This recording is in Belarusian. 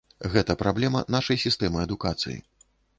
Гэта праблема нашай сістэмы адукацыі.